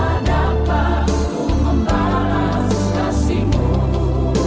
tak dapat ku membalas kasihmu